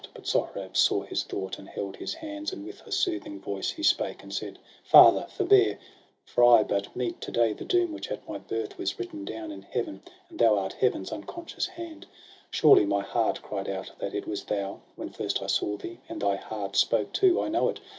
But Sohrab saw his thought, and held his hands, And with a soothing voice he spoke, and said :—■' Father, forbear ! for I but meet to day The doom which at my birth was written down In Heaven, and thou art Heaven's unconscious hand. Surely my heart cried out that it was thou. When first I saw thee; and thy heart spoke too, I know it!